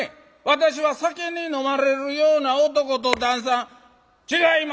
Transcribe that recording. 私は酒に飲まれるような男と旦さん違いま」。